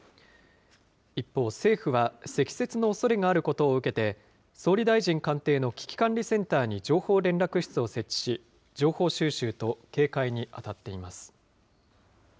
一方、政府は積雪のおそれがあることを受けて、総理大臣官邸の危機管理センターに情報連絡室を設置し、情報収集と警戒に当たっています。